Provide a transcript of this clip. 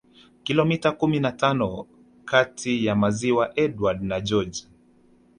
Kilomita kumi na tano kati ya maziwa Edward na George